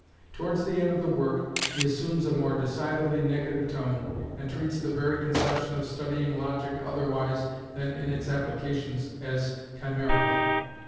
Towards the end of the work, he assumes a more decidedly negative tone, and treats the very conception of studying Logic otherwise than in its applications as chimerical.